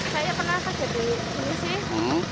saya pernah sakit di sini sih